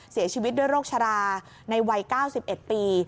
เสียชีวิตด้วยโรคชราในวัย๙๑ปี